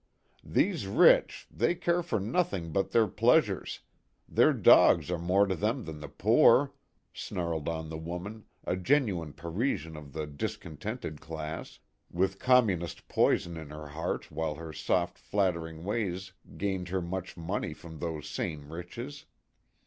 These rich, they care for nothing but their pleasures their dogs are more to them than the poor," snarled on the woman, a genuine Parisian of the " discontented class," with com munist poison in her heart while her soft flat tering ways gained her much money from those same " riches."